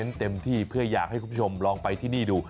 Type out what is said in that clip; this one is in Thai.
เต็มที่เพื่ออยากให้คุณผู้ชมลองไปที่นี่ดู